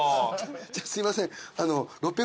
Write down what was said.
じゃあすいません。